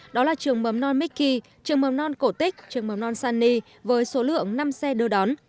đó là trường mầm non mickey trường mầm non cổ tích trường mầm non sunny với số lượng năm xe đưa đón